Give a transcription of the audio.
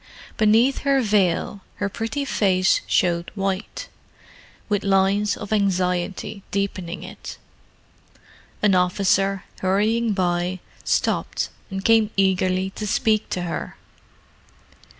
Beneath her veil her pretty face showed white, with lines of anxiety deepening it. An officer, hurrying by, stopped and came eagerly to speak to her.